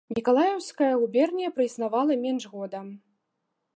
Мікалаеўская губерня праіснавала менш года.